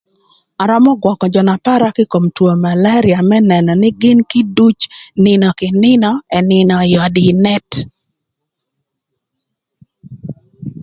Arömö gwökö jö na para kï kom two malaria më nënö nï gïn kï duc nïnö kï nïnö ënïnö ï öd ï net.